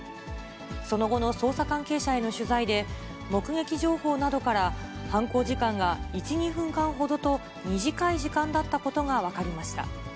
その後の捜査関係者への取材で、目撃情報などから、犯行時間が１、２分間ほどと、短い時間だったことが分かりました。